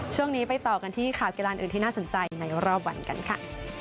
ช่วงนี้ไปต่อกันที่ข่าวกีฬานอื่นที่น่าสนใจในรอบวันกันค่ะ